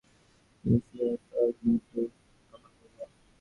এখনো সেই আগের মতোই হাবাগোবা।